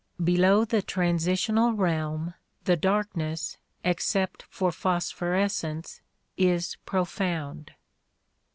Below the transitional realm the darkness, except for phosphorescence, is profound.